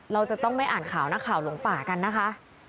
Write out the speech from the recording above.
เราจะต้องไม่อ่านข่าวนักข่าวหลงป่ากันนะคะ